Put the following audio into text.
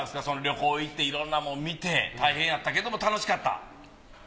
その旅行行っていろんなもん見て大変やったけども楽しかった？